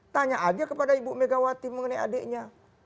tanya aja kepada ibu megawati mengenai adiknya